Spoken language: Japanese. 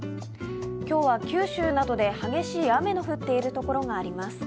今日は九州などで激しい雨が降っているところがあります。